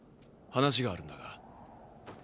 話があるんだが。